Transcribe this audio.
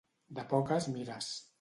De poques mires.